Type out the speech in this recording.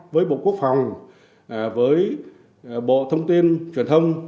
với bộ quốc phòng với bộ thông tin truyền thông